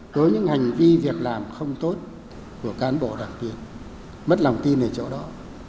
có những hành vi việc làm không tốt của cán bộ đảng viên mất lòng tin ở chỗ đó